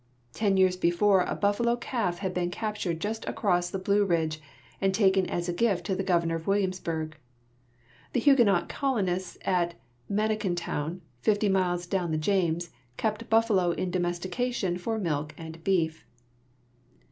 Ten years before a buffalo calf had been ca})tured just across the Blue Ridge and taken as a gift to the governor at Williamsburg. The Huguenot colonists at Manikintown, fifty miles down the James,' ke[)t buffalo in domestication for milk and beef.